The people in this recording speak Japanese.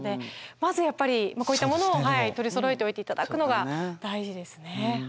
まずやっぱりこういったものを取りそろえておいて頂くのが大事ですね。